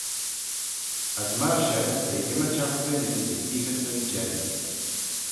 As myr shen t'eh ymmyrçhagh dooinyn dy yeeaghyn nyn jeih.